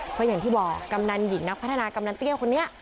เพราะอย่างที่บอกกำนันหญิงนักพัฒนากำนันเตี้ยคนนี้